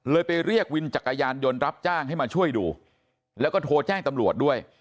ไปเรียกวินจักรยานยนต์รับจ้างให้มาช่วยดูแล้วก็โทรแจ้งตำรวจด้วย